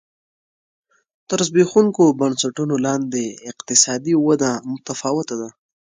تر زبېښونکو بنسټونو لاندې اقتصادي وده متفاوته ده.